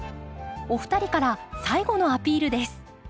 お二人から最後のアピールです。